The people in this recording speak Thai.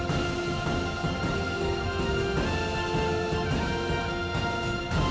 ไม่อยู่ช่วงที่หัวใจมีอะไรอยู่